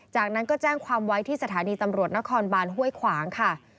จากนั้นก็แจ้งความว่าที่สถานีตำรวจน่ะคอนบานแบนภายใจข่าว